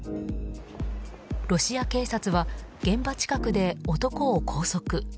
ロシア警察は現場近くで男を拘束。